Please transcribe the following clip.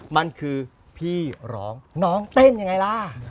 มันคือพี่ร้องน้องเต้นยังไงล่ะ